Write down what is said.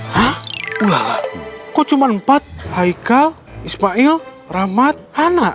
hah ulang lah kok cuman empat haikal ismail rahmat anak aduh kurang dong